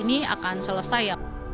ini akan selesai